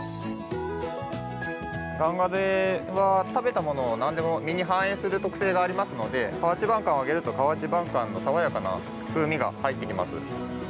ガンガゼは食べたものを何でも身に反映する特性がありますので河内晩柑をあげると河内晩柑の爽やかな風味が入ってきます。